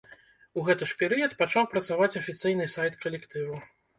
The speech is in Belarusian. У гэты ж перыяд пачаў працаваць афіцыйны сайт калектыву.